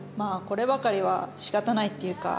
こればかりはしかたないっていうか。